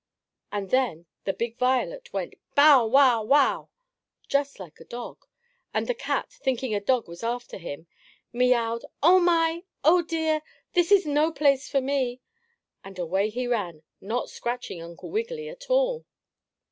And then the big violet went: "Bow! Wow! Wow!" just like a dog, and the cat thinking a dog was after him, meaouwed: "Oh, my! Oh, dear! This is no place for me!" and away he ran, not scratching Uncle Wiggily at all.